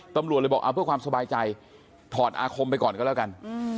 ตำรวจเลยบอกเอาเพื่อความสบายใจถอดอาคมไปก่อนก็แล้วกัน